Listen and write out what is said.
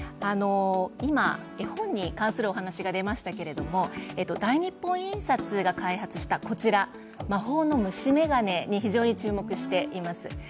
今、絵本に関するお話が出ましたけれども大日本印刷が開発した、この魔法の虫めがねに非常に注目しています。